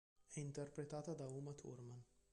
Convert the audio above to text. È interpretata da Uma Thurman.